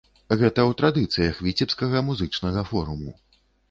Гэта ў традыцыях віцебскага музычнага форуму.